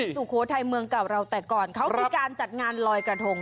สุโขทัยเมืองเก่าเราแต่ก่อนเขาคือการจัดงานลอยกระทง